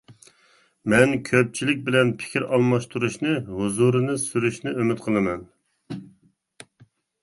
مەن كۆپچىلىك بىلەن پىكىر ئالماشتۇرۇشنى ھۇزۇرىنى سۈرۈشنى ئۈمىد قىلىمەن.